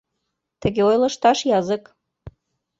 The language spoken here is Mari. — Тыге ойлышташ язык.